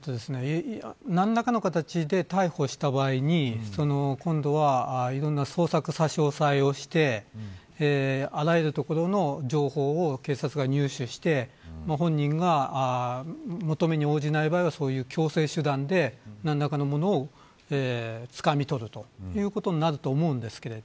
何らかの形で逮捕した場合に今度はいろんな捜索差し押さえをしてあらゆる所の情報を警察が入手して本人が求めに応じない場合は強制手段で何らかのものをつかみ取るといういうことになると思います。